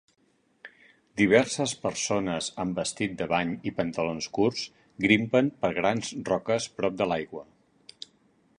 Diverses persones en vestit de bany i pantalons curts grimpen per grans roques prop de l'aigua.